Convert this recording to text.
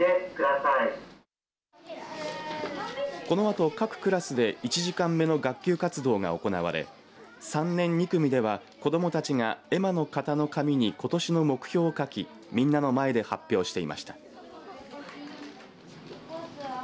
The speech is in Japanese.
このあと各クラスで１時間目の学級活動が行われ３年２組では子どもたちが絵馬の型の紙にことしの目標を書きみんなの前で発表していました。